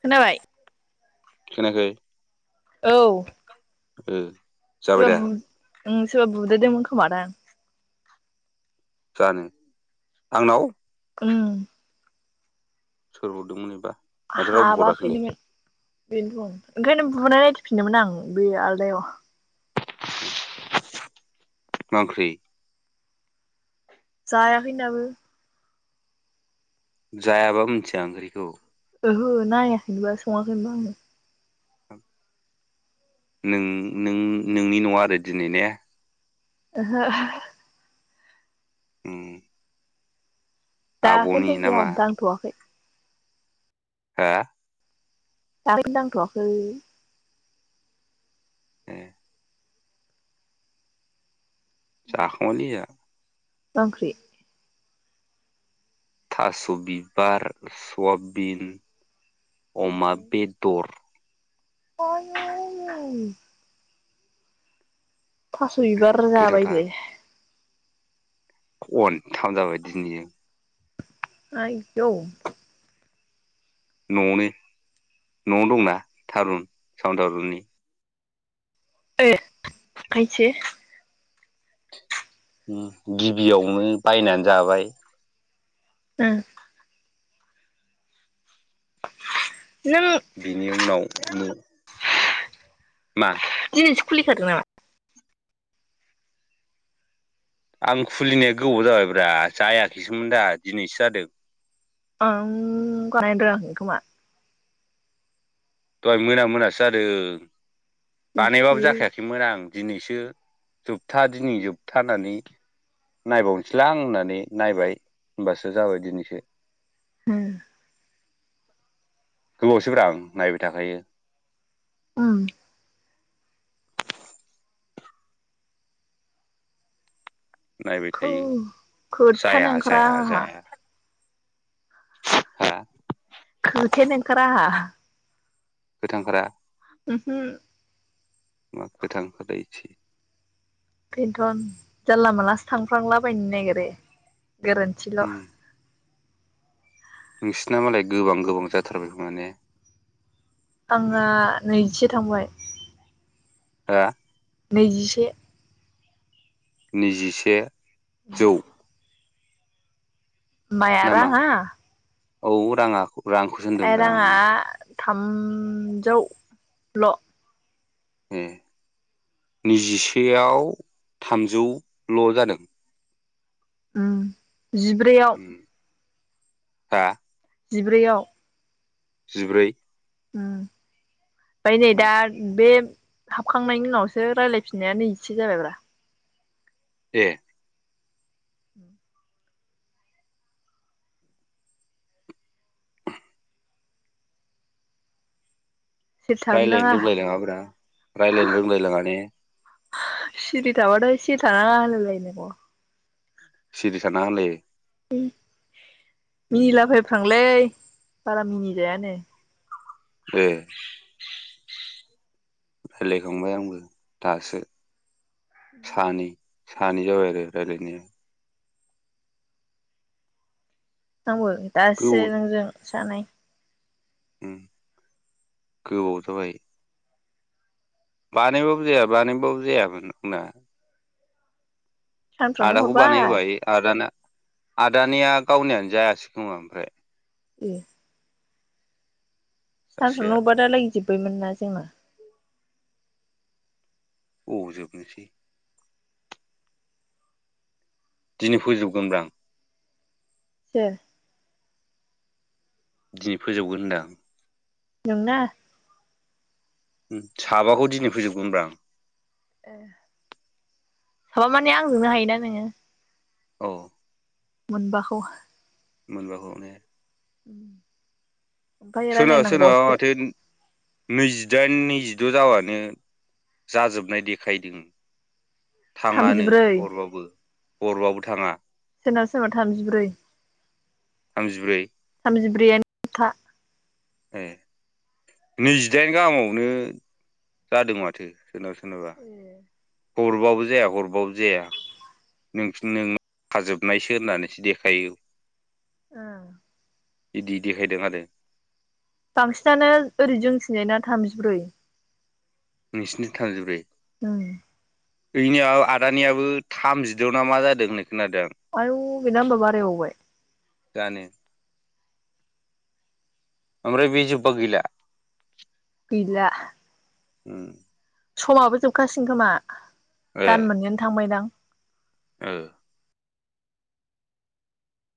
खोनाबाय। खोनायाखै। औ। ओ। जाबाय सोरबा दा बुद उम सोरबा बुदेरदोंमोन खोमादां जानो आंनाव? उ सोर हारदोंमोन एबा माथो रावबो हराखैलाय हाबाखैनोमोन बेनोथ' ओंखायनो बुनाय नाय फिनदोंमोन आं बे आलदायाव मा ओंख्रि? जायाखैनो दाबो जायाबा मिथिया ओंख्रिखौ ओहो नायाखैेनोबा सङाखैनोबा आंङो नों नों नोंनि नंआ आरो दिनै ने? ओहो उम आब'नि दाखैनिफायनो गैया नामा दांथ'वाखै हा [unintelligible] दांथ'आखै [unintelligible] जाखांबायलै जा बांख्रि थास' बिबार सवाबिन अमा बेदर [inaudible] थास' बिबार गोथावथार जाबायबो? खनथाम जाबाय दिनैजों आयदौ न'आवनो न'आवनो दंना थारुन सावन थारुननि ओ खायसो उम गिबियावनो बायनान जाबाय। उम नों बिनि उनाव नो मा? दिनिसो खुलिखादों नामा? आं खुलिनाया गोबाव जाबायब्रा जायाखैसोमोन दा दिनैसो जादों। ओं बानायनो रोंङाखै खोमा दहाय मोना मोनासो जादों। इसे बानायबाबो जाखायाखैमोन आं दिनैसो जोबथा दिनै जोबथा होननानै नायबावनोसैलां होननानै नायबाय होनबासो जाबाय दिनैसो। उम गोबावसैब्रा आं नायबाय थाखायो। उम नायबाय खौ थायो खोथानो जाया ओंखारा जाया आंहा जाया हा। खोथायानो ओंखारा आंहा। गोथां ओंखारा। ओमहो। मा खोथा ओंखारलायैसै बेन्थन जानला मानलासो थांफ्लांलाबायनो नागिरो‌ गोरोन्थिल। उम नोंसिना मालाय गोबां गोबां जाथारबाय खोमा ने? आंहा नैजिसे थांबाय। हा। नैजिसे। नैजिसे। जौ। माया रां नामा आं। औ रांङा। रांखौसो होनदोंब्रा आं। थामजौ ल'। ए नैजिसेआव थामजौल' जादों। उम। जिब्रैआव। उम हा। जिब्रैयाव। जिब्रै ओम ओमफ्राय नै उम दा बे हाबखांनायनि उनावसो रायज्लायफिननाय नै इसे जाबायब्रा ए [inaudible] सिरि थानो रायज्लायनो नाङा रोंलायलाङाब्रा रायज्लायनो रोंलायलाङ ने सिरि थाबाथ' सिरि थानाङाालायलाय नांगौ। सिरि थानांआ होनलायो ओम उम मिनिलाबायैफ्लांलै बारा मिनि जाया ने ए रायलायखांबाय आंबो दासो ओं सानै सानै जाबाय आरो राय्लायनाया आंबो दासो नोंजों जानै ओम गोबाव जाबाय बानायबाबो जाया बानायबो जायामोन बुंंना सानफ्रावनो हरबा आदाखौबानाय होबाय आदा ना आदानिया गावनियानो जायासैखोमा ओमफ्राय। ओम सासेया सानफ्रावनो होरबा दाहालागे जोब सैमोन ना जोंना। अबाव जोबनोसै दिनै फोजोबगोनब्रा आं। सोर दिनै फोजोबगोन होनदां आं नोंना हम साबाखौ दिनै फोजोबगोनब्रा आं। ए साबा माने आं जोंनो हायोना नोङो औ। मोनबाखौ मोनबाखौने ओम सोरनब सोनाबा माथो नैजिदाइन नैजिद' जावनो जाजोबनाय देखायदों थाङानो थामजिब्रै हरबाबो हरबाबो थाङा सोरनाब सोरनाव थामजिब्रै थामजिब्रै जि ब्रै आनोथा ह नैजिदाइन गाहामावनो जादों माथो सोरनाबा सोरनाबा ओ हरबाबो जाया हरबाबो जाया नों नों खाजोबनायसो होननानैसो देखायो बिदि देखायदों आरो बांसिनानो ओरै जोंनिथिजायना थामजिब्रै नोंसोरनिथिं थामजिब्रै द [inaudible] जोंनियाव आदानियाबो थामजिद'ना मा जादों नो आयु बिना ओमबा बारायबावबाय जानो ओफ्राय बे जोब्बा गैला गैला ओम समाबो जोबखासिगोन खोमा दान मोननैआनो थांबायदां औ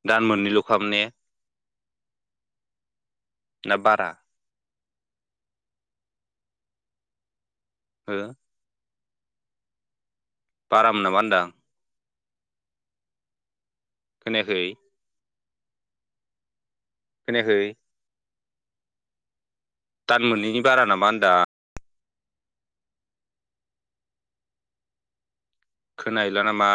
दान मोननैल'खामोन ने ना बारा हो बारामोन नामा बुंदों आं खोनायाखै खोनायाखै दान मोननैनि बारा नामा होनदो आं खोना हैला नामा